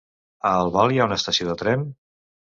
A Albal hi ha estació de tren?